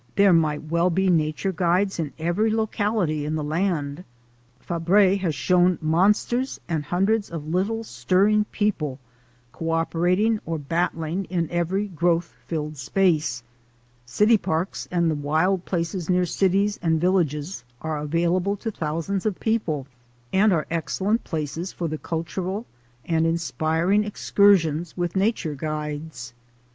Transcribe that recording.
There might well be nature guides in every locality in the land. Fabre has shown monsters and hundreds of little, stirring people cooperating or battling in every growth filled space. City parks and the wild places near cities i 9 8 THE ADVENTURES OF A NATURE GUIDE and villages are available to thousands of people and are excellent places for the cultural and inspir ing excursions with nature guides.